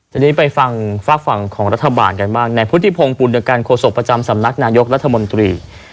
ทีนี้ไปฟังฝากฝั่งของรัฐบาลกันบ้างในพุทธิพงศ์ปุณการโฆษกประจำสำนักนายกรัฐมนตรี